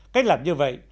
cách làm như vậy